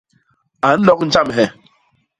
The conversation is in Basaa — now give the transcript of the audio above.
A nnok njamhe.